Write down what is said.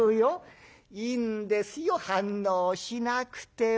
「いいんですよ反応しなくても。